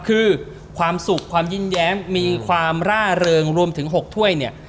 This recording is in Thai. คือความสุขความยิ้มแย้มมีความร่าเริงรวมถึง๖ถ้วยเนี่ย